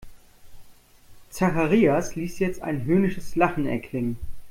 Zacharias ließ jetzt ein höhnisches Lachen erklingen.